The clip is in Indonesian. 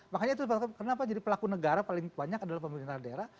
makanya itu sebab kenapa jadi pelaku negara paling banyak adalah pemerintah daerah